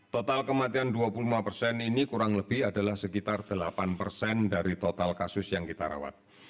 total kematian dua puluh lima persen ini kurang lebih adalah sekitar delapan persen dari total kasus yang kita rawat